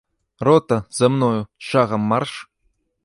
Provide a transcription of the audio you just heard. Рота, за мною, шагам марш!